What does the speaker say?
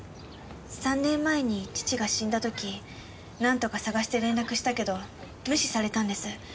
３年前に父が死んだ時なんとか捜して連絡したけど無視されたんです。